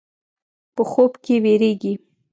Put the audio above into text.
په خوب کې وېرېږي.